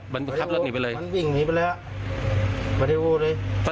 ไปฝั่งทางนู้นไปหา